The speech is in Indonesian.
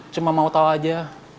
cuma mau tau aja